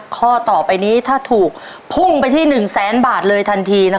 ข้อต่อไปนี้ถ้าถูกพุ่งไปที่๑๐๐๐๐๐บาทเลยทันทีนะครับ